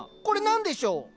これ何でしょう？